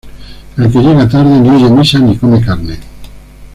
El que llega tarde, ni oye misa ni come carne